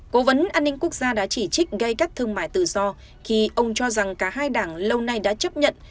cố vấn an ninh quốc gia đã chỉ trích gây cắt thương mại tự do khi ông cho rằng cả hai đảng lâu nay đã chấp nhận